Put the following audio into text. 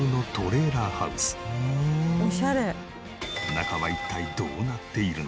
中は一体どうなっているのか？